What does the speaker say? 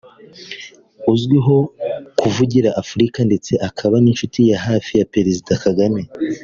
uzwiho kuvugira Afurika ndetse akaba n’inshuti ya hafi ya Perezida Kagame